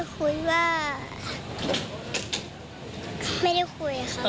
ไม่ได้คุยอะไรกับเราเลยหรอ